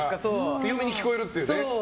強めに聞こえるっていう。